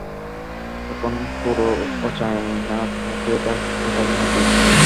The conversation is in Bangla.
এখন পুরো চাইনা মুখে ঢুকাবি নাকি?